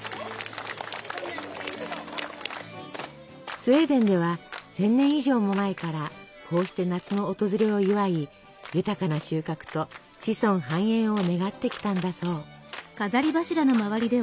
スウェーデンでは１，０００年以上も前からこうして夏の訪れを祝い豊かな収穫と子孫繁栄を願ってきたんだそう。